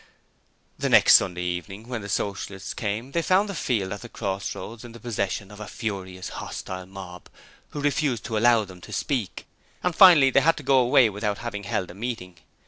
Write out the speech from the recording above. The next Sunday evening when the Socialists came they found the field at the Cross Roads in the possession of a furious, hostile mob, who refused to allow them to speak, and finally they had to go away without having held a meeting.